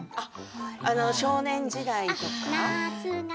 「少年時代」とか。